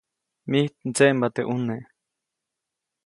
Mijt mdseʼmba teʼ ʼuneʼ.